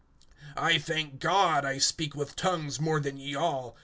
(18)I thank God, I speak with tongues more than ye all.